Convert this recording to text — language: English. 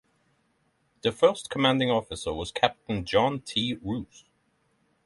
The first commanding officer was Captain John T. Rouse.